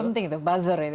penting itu buzzer ya